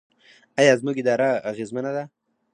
آیا زموږ اداره اغیزمنه ده؟